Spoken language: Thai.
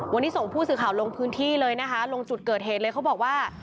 วันนี้ส่งผู้สื่อข่าวลงพื้นที่เลยนะคะลงจุดเกิดเหตุเลยเขาบอกว่า